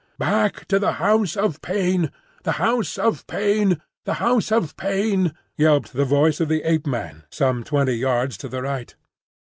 "Back to the House of Pain, the House of Pain, the House of Pain!" yelped the voice of the Ape man, some twenty yards to the right.